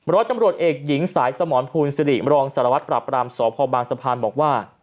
ร้อยตำรวจเอกหญิงสายสมรภูลสิริมรองสารวัตรปราบรามสพบางสะพานบอกว่า